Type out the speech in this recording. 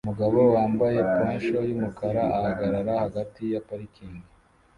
Umugabo wambaye poncho yumukara ahagarara hagati ya parikingi